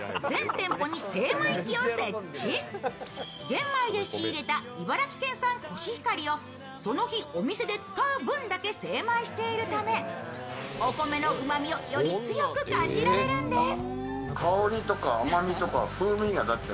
玄米で仕入れた茨城県産コシヒカリをその日、お店で使う分だけ精米しているためお米のうまみをより強く感じられるんです。